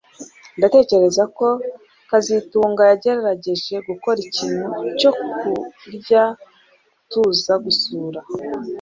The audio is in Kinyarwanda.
Ndatekereza ko kazitunga yagerageje gukora ikintu cyo kurya tuza gusura